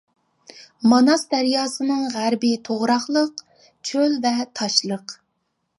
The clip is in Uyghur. ماناس دەرياسىنىڭ غەربى توغراقلىق، چۆل ۋە تاشلىق.